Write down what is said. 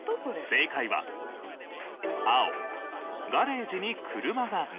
正解は青ガレージに車がない。